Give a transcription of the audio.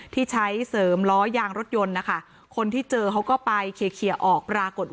ที่ใช้เสริมล้อยางรถยนต์นะคะคนที่เจอเขาก็ไปเคลียร์ออกปรากฏว่า